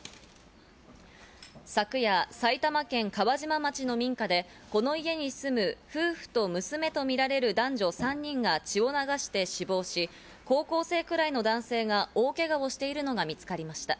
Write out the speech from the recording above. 昨夜、埼玉県川島町の民家で、この家に住む夫婦と娘とみられる男女３人が血を流して死亡し、高校生くらいの男性が大怪我をしているのが見つかりました。